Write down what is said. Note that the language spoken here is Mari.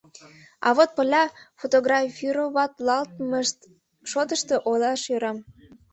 А вот пырля фотографироватлалтмышт шотышто ойлаш ӧрам.